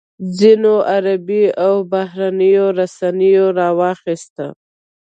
ځینو عربي او بهرنیو رسنیو راواخیسته.